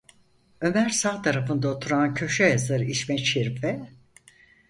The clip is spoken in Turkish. Ömer sağ tarafında oturan köşe yazarı İsmet Şerif’e: